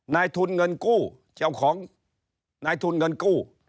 นายทุนเงินกู้เจ้าของนายทุนเงินกู้